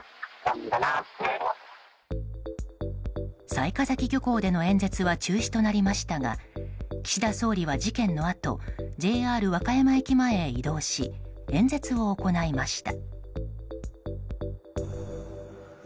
雑賀崎漁港での演説は中止となりましたが岸田総理は、事件のあとＪＲ和歌山駅前へ移動し演説を行いました。